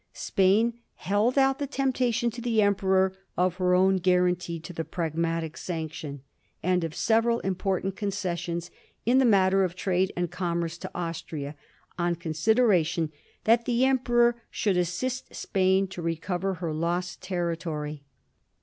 Spain held out the tempta tion to the Emperor of her own guarantee to the Pragmatic Sanction and of several important conces sions in the matter of trade and commerce to Austria, on consideration that the Emperor should assist Spain to recover her lost territory.